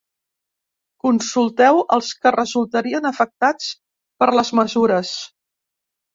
Consulteu els que resultarien afectats per les mesures.